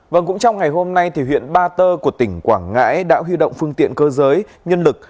vâng cũng trong ngày hôm nay thì huyện ba tơ của tỉnh quảng ngãi đã huy động phương tiện cơ giới nhân lực